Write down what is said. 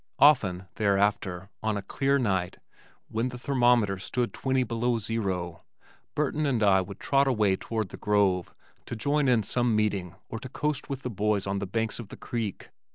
Often, thereafter, on a clear night when the thermometer stood twenty below zero, Burton and I would trot away toward the Grove to join in some meeting or to coast with the boys on the banks of the creek.